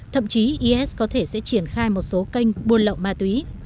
thậm chí is có thể sẽ triển khai một số kênh buôn lậu ma túy